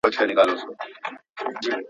د نیمې برخې کروندګرو وضعیت وروسته پاتې دی.